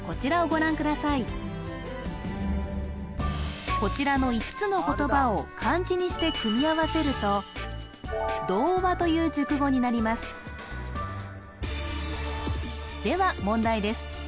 まずはこちらの５つの言葉を漢字にして組み合わせると童話という熟語になりますでは問題です